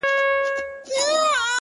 مېرمن ناز په خپل خواږه اواز